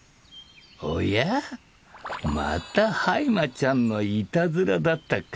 おやまたハイマちゃんのいたずらだったか。